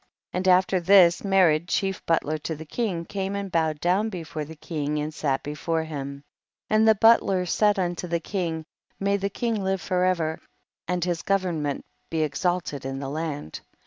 And after this Merod, chief butler to the king, came and bowed down before the king and sat before him ; 31. And the butler said inito the king, may the king live forever, and his government be exalted in the land.